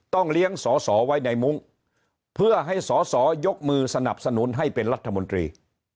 เลี้ยงสอสอไว้ในมุ้งเพื่อให้สอสอยกมือสนับสนุนให้เป็นรัฐมนตรี